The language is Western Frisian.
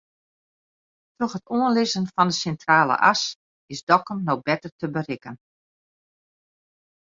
Troch it oanlizzen fan de Sintrale As is Dokkum no better te berikken.